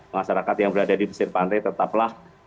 masyarakat yang berada di pesisir pantai tetaplah